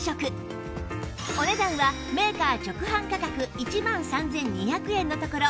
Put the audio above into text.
お値段はメーカー直販価格１万３２００円のところ